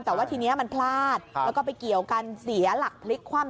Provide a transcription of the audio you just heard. แต่ว่าทีนี้มันพลาดแล้วก็ไปเกี่ยวกันเสียหลักพลิกคว่ำ